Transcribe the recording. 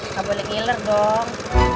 gak boleh ngiler dong